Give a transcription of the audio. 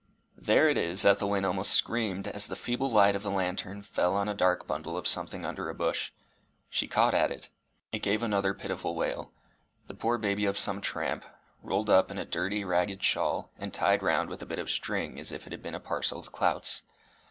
"There it is!" Ethelwyn almost screamed, as the feeble light of the lantern fell on a dark bundle of something under a bush. She caught at it. It gave another pitiful wail the poor baby of some tramp, rolled up in a dirty, ragged shawl, and tied round with a bit of string, as if it had been a parcel of clouts.